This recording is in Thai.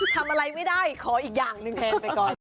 ทำอะไรไม่ได้ขออีกอย่างหนึ่งแทนไปก่อน